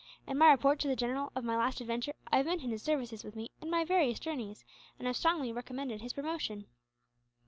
In my report, to the general, of my last adventure I have mentioned his services with me in my various journeys, and have strongly recommended his promotion."